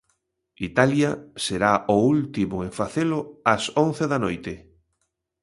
Italia será o último en facelo ás once da noite.